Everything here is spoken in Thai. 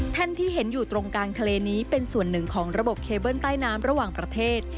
ที่เห็นอยู่ตรงกลางทะเลนี้เป็นส่วนหนึ่งของระบบเคเบิ้ลใต้น้ำระหว่างประเทศ